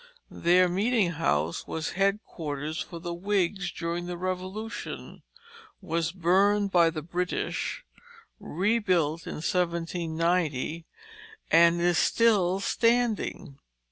Their meeting house was headquarters for the Whigs during the Revolution, was burned by the British, rebuilt in 1790, and is still standing.